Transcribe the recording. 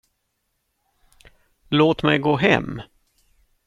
Låt mig gå hem.